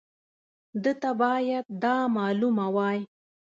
ده ته باید دا معلومه وای.